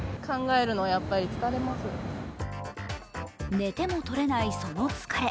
寝ても取れないその疲れ。